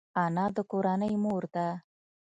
انا د کورنۍ مور ده